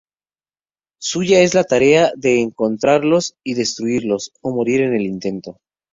Suya es la tarea de encontrarlos y destruirlos, o morir en el intento.